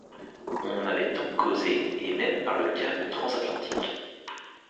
On en avait tant causé, et même par le câble transatlantique !